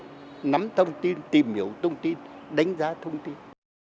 trách nhiệm nắm thông tin tìm hiểu thông tin đánh giá thông tin